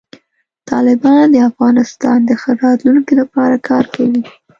طالبان د افغانستان د ښه راتلونکي لپاره کار کوي.